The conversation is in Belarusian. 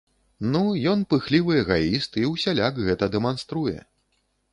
Ну, ён пыхлівы эгаіст, і ўсяляк гэта дэманструе.